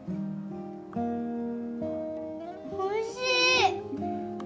おいしい！